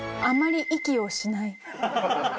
あんまり息をしない。